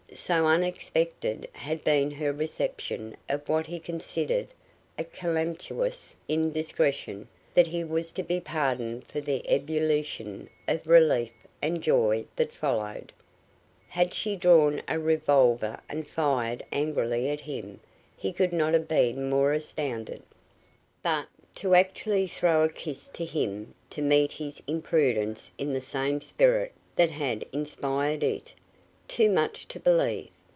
So unexpected had been her reception of what he considered a calamitous indiscretion that he was to be pardoned for the ebullition of relief and joy that followed. Had she drawn a revolver and fired angrily at him he could not have been more astounded. But, to actually throw a kiss to him to meet his imprudence in the same spirit that had inspired it! Too much to believe!